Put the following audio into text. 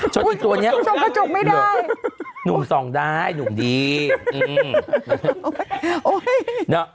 ชนอีกตัวเนี้ยชนกระจกไม่ได้หนุ่มสองได้หนุ่มดีอุ้ยโอ้ยเนอะ